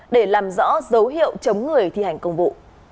để làm rõ dấu hiệu chống người thi hành công vụ